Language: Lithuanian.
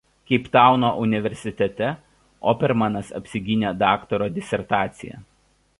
Keiptauno universitete Opermanas apsigynė daktaro disertaciją.